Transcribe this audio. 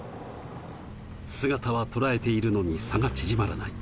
姿はとらえているのに差は縮まらない。